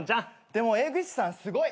でも江口さんすごい。